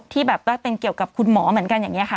ที่แบบว่าเป็นเกี่ยวกับคุณหมอเหมือนกันอย่างนี้ค่ะ